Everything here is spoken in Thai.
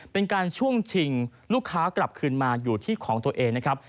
เป็นการช่วงชิงลูกค้ากลับคืนมาอยู่ที่ของตัวเองนะครับ